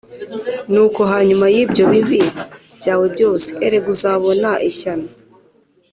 Nuko hanyuma y’ibyo bibi byawe byose (erega uzabona ishyano